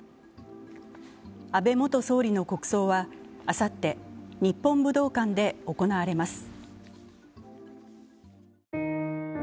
安倍元総理の国葬はあさって日本武道館で行われます。